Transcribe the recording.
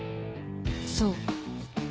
そう。